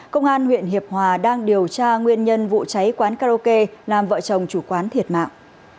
công an huyện hiệp hòa đang điều tra nguyên nhân vụ cháy quán karaoke làm vợ chồng chủ quán thiệt mạng